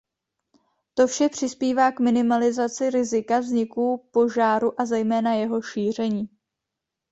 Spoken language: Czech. To vše přispívá k minimalizaci rizika vzniku požáru a zejména jeho šíření.